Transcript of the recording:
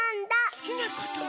すきなことね？